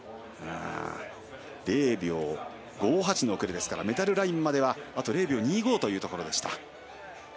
０秒５８の遅れですからメダルラインまではあと０．２５というところでした。